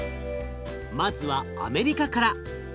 まずはアメリカから。